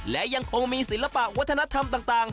และยังคงมีศิลปะวัฒนธรรมต่าง